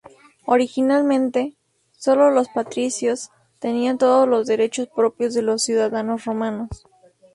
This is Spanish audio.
Originalmente, sólo los patricios tenían todos los derechos propios de los ciudadanos romanos.